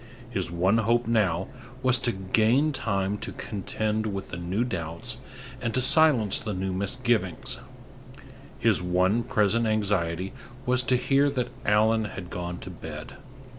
His one hope now was to gain time to contend with the new doubts and to silence the new misgivings; his one present anxiety was to hear that Allan had gone to bed.